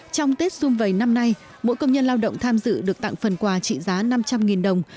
trong tết xung vầy năm nay mỗi công nhân lao động tham dự được tặng phần quà trị giá năm trăm linh đồng